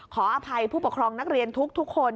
ขออภัยผู้ปกครองนักเรียนทุกคน